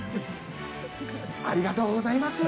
ありがとうございます。